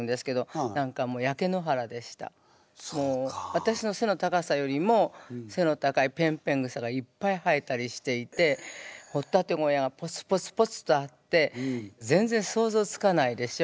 私のせの高さよりもせの高いぺんぺん草がいっぱい生えたりしていて掘っ立て小屋がポツポツポツとあって想像つかない。